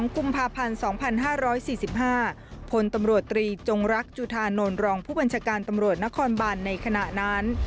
กุมภาพันธ์๒๕๔๕พลตำรวจตรีจงรักจุธานนท์รองผู้บัญชาการตำรวจนครบานในขณะนั้น